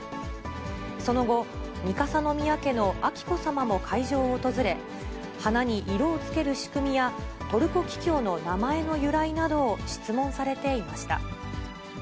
その後、三笠宮家の彬子さまも会場を訪れ、花に色をつける仕組みや、トルコキキョウの名前の由来などを質問されていました。